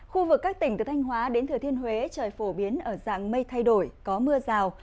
khu vực các tỉnh từ thanh hóa đến thừa thiên huế trời phổ biến ở dạng mây thay đổi có mưa rào